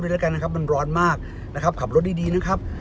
เป็นเหมือนวันปีใหม่เริ่มต้นปีใหม่ของคนไทยนะครับ